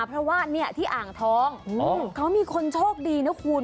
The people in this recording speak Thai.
เพราะว่าเนี่ยที่อ่างทองเขามีคนโชคดีนะคุณ